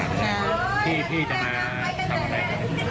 พ่อนอนกดอยู่ในถังนี้พี่จะมาทำอะไร